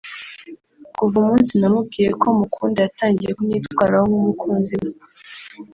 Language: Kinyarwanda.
Kuva umunsi namubwiye ko mukunda yatangiye kunyitwaho nk’ umukunzi we